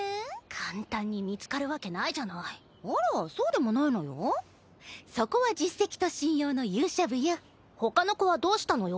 簡単に見つかるわけないじゃあらそうでもないのよそこは実績と信用の勇者部よほかの子はどうしたのよ？